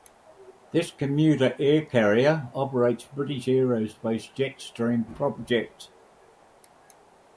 This commuter air carrier operates British Aerospace Jetstream propjets.